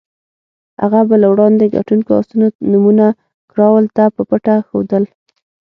هغه به له وړاندې ګټونکو اسونو نومونه کراول ته په پټه ښودل.